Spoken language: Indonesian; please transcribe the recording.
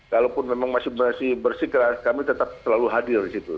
kalaupun memang masih bersikap bersikap bersikap kami tetap selalu hadir disitu